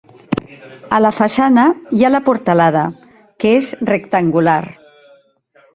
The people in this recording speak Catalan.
A la façana hi ha la portalada, que és rectangular.